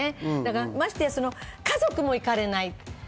まして家族も行かれない。